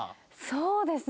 そうですね。